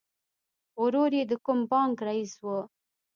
ورور یې د کوم بانک رئیس و